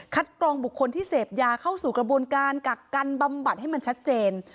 กรองบุคคลที่เสพยาเข้าสู่กระบวนการกักกันบำบัดให้มันชัดเจน